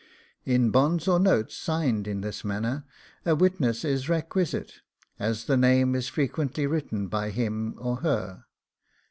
In bonds or notes signed in this manner a witness is requisite, as the name is frequently written by him or her.